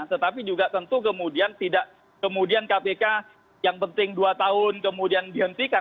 tetapi juga tentu kemudian tidak kemudian kpk yang penting dua tahun kemudian dihentikan